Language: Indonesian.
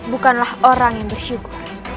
bukanlah orang yang bersyukur